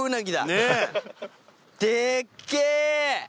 でっけぇ！